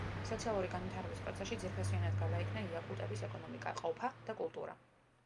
სოციალური განვითარების პროცესში ძირფესვიანად გარდაიქმნა იაკუტების ეკონომიკა, ყოფა და კულტურა.